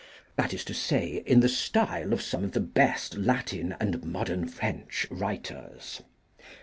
that is to say, in the style of some of the best Latin and modern French writers!